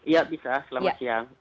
ya bisa selamat siang